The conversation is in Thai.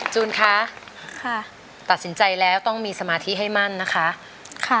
จูนคะตัดสินใจแล้วต้องมีสมาธิให้มั่นนะคะ